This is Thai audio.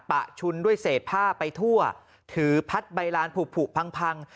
ปะชุนด้วยเศษผ้าไปทั่วถือพัดใบลานผูกพัง